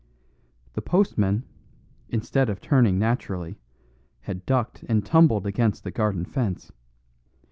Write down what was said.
The postman, instead of turning naturally, had ducked and tumbled against the garden fence.